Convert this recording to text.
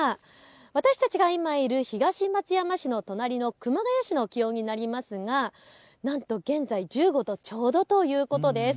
私たちが今いる東松山市の隣の熊谷市の気温になりますがなんと現在１５度ちょうどということです。